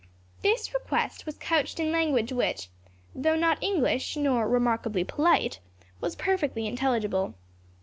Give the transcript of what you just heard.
This request was couched in language which, though not English, nor remarkably polite, was perfectly intelligible.